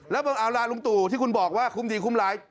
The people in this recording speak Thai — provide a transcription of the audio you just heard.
แล้วบอกเอาล่ะลุงตู่ที่คุณบอกว่าคุ้มดีคุ้มร้าย